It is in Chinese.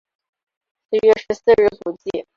十月十四日补记。